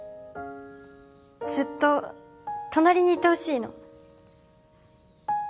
ずっと隣にいてほしいの